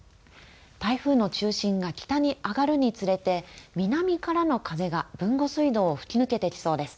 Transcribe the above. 台風の中心が北に上がるにつれて南からの風が豊後水道を吹き抜けてきそうです。